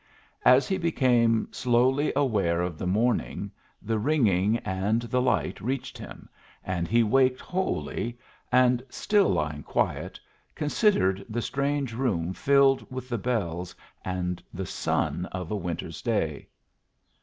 As he became slowly aware of the morning, the ringing and the light reached him, and he waked wholly, and, still lying quiet, considered the strange room filled with the bells and the sun of the winter's day.